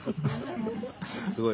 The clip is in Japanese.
すごい。